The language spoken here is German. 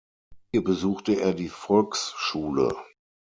Hier besuchte er die Volksschule.